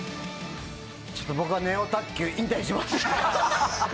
ちょっと僕はネオ卓球引退します。